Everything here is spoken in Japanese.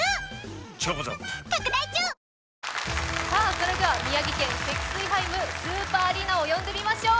それでは宮城県・セキスイハイムスーパーアリーナを読んでみましょう。